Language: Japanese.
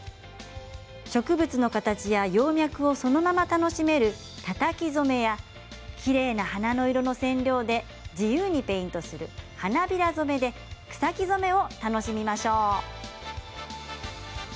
植物の形や葉脈をそのまま楽しめるたたき染めやきれいな花の色の染料で自由にペイントする花びら染めで草木染めを楽しみましょう。